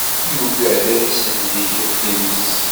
Yugad ad isendeg times.